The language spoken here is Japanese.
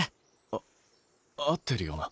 あ合ってるよな？